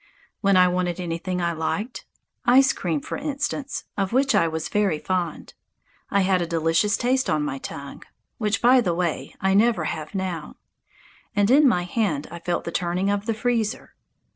When I wanted anything I liked, ice cream, for instance, of which I was very fond, I had a delicious taste on my tongue (which, by the way, I never have now), and in my hand I felt the turning of the freezer.